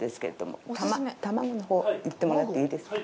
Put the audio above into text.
玉子のほういってもらっていいですか？